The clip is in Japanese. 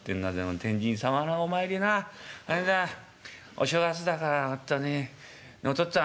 天神様のお参りなあれだお正月だからほんとにねえお父っつぁん」。